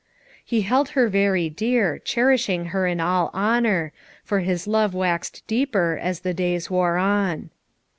He held her very dear, cherishing her in all honour, for his love waxed deeper as the days wore on.